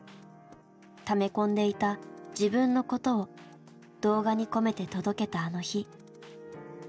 ため込んでいた「自分のこと」を動画に込めて届けたあの日。